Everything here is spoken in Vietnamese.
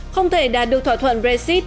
không thể đạt được thỏa thuận brexit